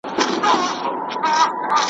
داسي ټکه یې پر کور وه را لوېدلې ,